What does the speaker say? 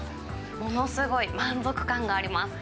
ものすごい満足感があります。